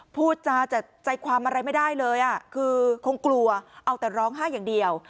พูดจาจัดใจความอะไรไม่ได้เลยคือคงกลัวเอาแต่ร้องไห้อย่างเดียว